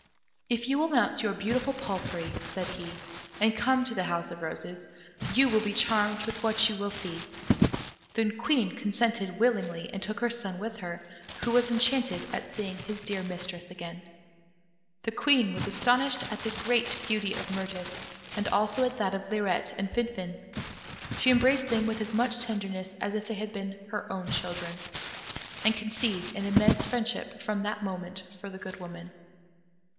"If you will mount your beautiful palfrey," said he, "and come to the House of Roses, you will be charmed with what you will see." The Queen consented willingly, and took her son with her, who was enchanted at seeing his dear mistress again. The Queen was astonished at the great beauty of Mirtis, and also at that of Lirette and Finfin. She embraced them with as much tenderness as if they had been all her own children, and conceived an immense friendship from that moment for the Good Woman.